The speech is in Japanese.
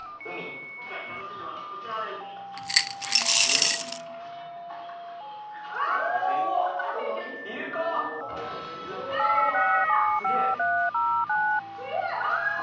今回楽しんでもらうのは、こちらです。